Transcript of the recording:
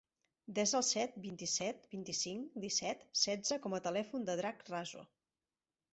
Desa el set, vint-i-set, vint-i-cinc, disset, setze com a telèfon del Drac Raso.